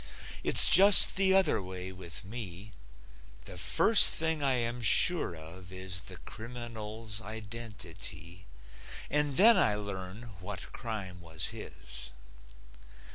It's just the other way with me: The first thing I am sure of is The criminal's identity, And then I learn what crime was his.